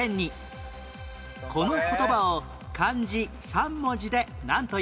この言葉を漢字３文字でなんという？